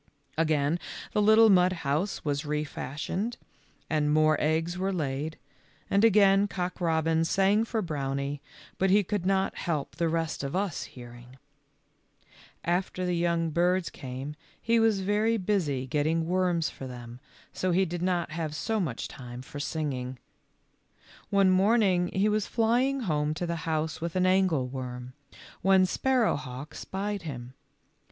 Again the little mud house was re fashioned and more eggs were laid, and again Cock robin sang for Brownie, but he could not help the rest of us hearing. After the young birds came he was very 46 THE LITTLE FORESTERS. busy getting worms for them, so he did not have so much time for singing. One morning he was flying home to the house with an angleworm, when Sparrowhawk spied him.